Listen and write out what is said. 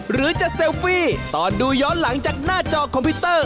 หรือจะเซลฟี่ตอนดูย้อนหลังจากหน้าจอคอมพิวเตอร์